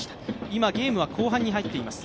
今、ゲームは後半に入っています。